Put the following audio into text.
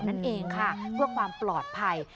นั่นเองค่ะเพื่อความปลอดภัย